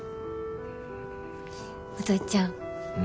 お父ちゃん。